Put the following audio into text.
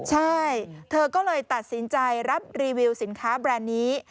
ใช่เธอก็เลยตัดสินใจรับรีวิวสินค้าแบรนด์นี้